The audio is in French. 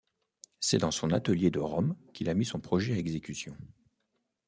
C'est dans son atelier de Rome qu'il a mis son projet à exécution.